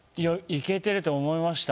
いけてると思いました。